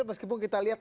terlalu bunyi terpellomp